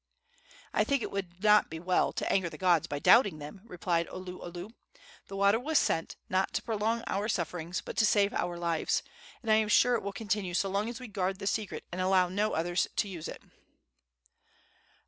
"I think it would not be well to anger the gods by doubting them," replied Oluolu. "The water was sent, not to prolong our sufferings, but to save our lives; and I am sure it will continue so long as we guard the secret and allow no others to use it."